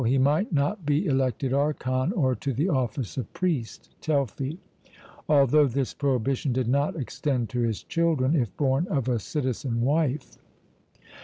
he might not be elected archon or to the office of priest (Telfy), although this prohibition did not extend to his children, if born of a citizen wife.